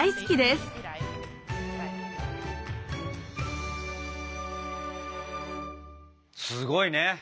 すごいね！